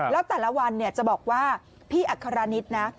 แล้วแต่ละวันจะบอกว่าพี่อัครนิดนะ